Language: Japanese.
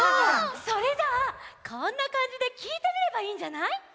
それじゃあこんなかんじできいてみればいいんじゃない？